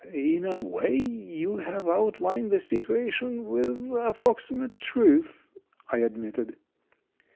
"In a way you have outlined the situation with approximate truth," I admitted.